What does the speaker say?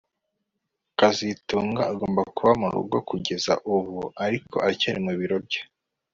kazitunga agomba kuba murugo kugeza ubu ariko aracyari ku biro bye